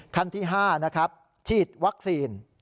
ขั้นที่๕นะครับฉีดวัคซีน